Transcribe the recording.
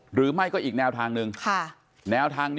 หรือไม่ก็ก็อีกแนวทางนึง